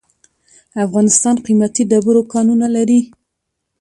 افغانستان قیمتي ډبرو کانونه لري.